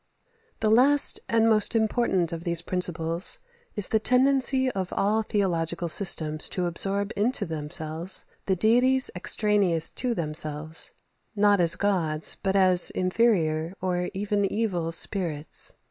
19. (iii.) The last and most important of these principles is the tendency of all theological systems to absorb into themselves the deities extraneous to themselves, not as gods, but as inferior, or even evil, spirits.